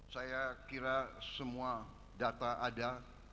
saya kira semua data ada